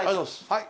はい。